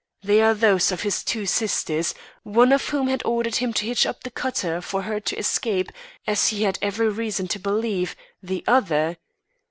They are those of his two sisters, one of whom had ordered him to hitch up the cutter for her to escape, as he had every reason to believe, the other.